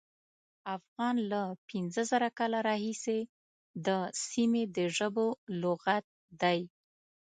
افغان له پینځه زره کاله راهیسې د سیمې د ژبو لغت دی.